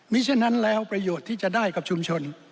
มีฉะนั้นแล้วประโยชน์ที่จะได้กับชุมชน